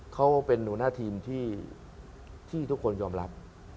เขาเป็นหัวหน้าทีมที่ทุกคนยอมรับ